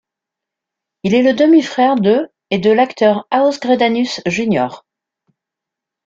Il est le demi-frère de et de l'acteur Aus Greidanus jr.